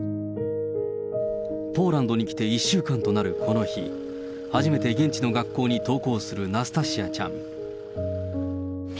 ポーランドに来て１週間となるこの日、初めて現地の学校に登校するナスタシアちゃん。